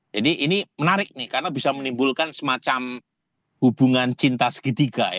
jadi ini menarik nih karena bisa menimbulkan semacam hubungan cinta segitiga ya